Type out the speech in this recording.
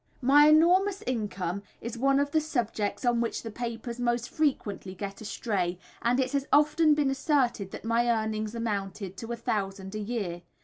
My enormous income is one of the subjects on which the papers most frequently get astray, and it has often been asserted that my earnings amounted to a thousand a year.